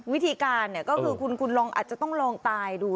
วิธีการก็คือคุณลองอาจจะต้องลองตายดู